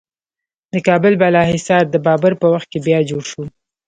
د کابل بالا حصار د بابر په وخت کې بیا جوړ شو